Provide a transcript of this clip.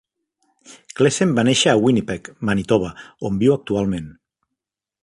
Klessen va néixer a Winnipeg (Manitoba), on viu actualment.